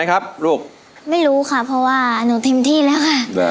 ขอบคุณที่แล้วค่ะ